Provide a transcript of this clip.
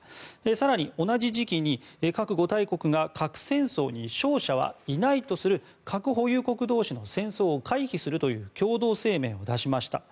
更に、同じ時期に核五大国が核戦争に勝者はいないとする核保有国同士の戦争を回避するという共同声明を出しました。